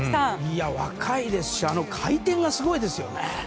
若いですし回転がすごいですよね。